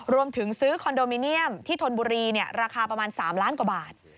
รวมถึงซื้อคอนโดมิเนียมที่ธนบุรีราคาประมาณ๓ล้านกว่าบาท